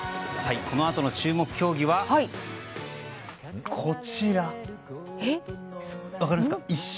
このあとの注目競技はこちら分かりますか？